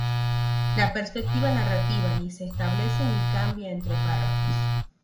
La perspectiva narrativa ni se establece ni cambia entre párrafos.